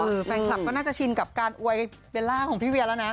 แฟนคลับก็น่าจะชินกับการอวยเบลล่าของพี่เวียแล้วนะ